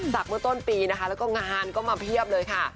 เมื่อต้นปีนะคะแล้วก็งานก็มาเพียบเลยค่ะ